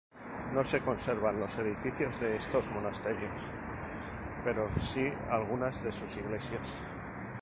No se conservan los edificios de estos monasterios pero sí algunas de sus iglesias.